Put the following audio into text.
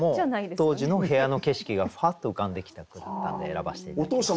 当時の部屋の景色がふわっと浮かんできた句だったんで選ばせて頂きました。